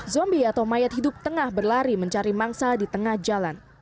zombie atau mayat hidup tengah berlari mencari mangsa di tengah jalan